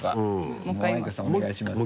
お願いします。